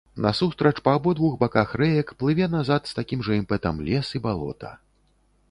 Насустрач па абодвух баках рэек плыве назад з такім жа імпэтам лес і балота.